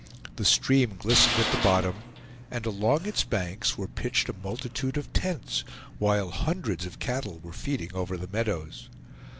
The stream glistened at the bottom, and along its banks were pitched a multitude of tents, while hundreds of cattle were feeding over the meadows.